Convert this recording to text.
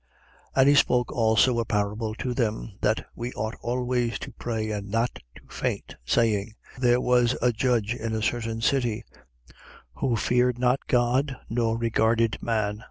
18:1. And he spoke also a parable to them, that we ought always to pray and not to faint, 18:2. Saying: There was a judge in a certain city, who feared not God nor regarded man.